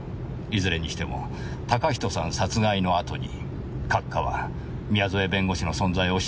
いずれにしても嵩人さん殺害のあとに閣下は宮添弁護士の存在を知ったんですよ。